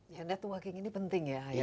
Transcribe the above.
ya andatua king ini penting ya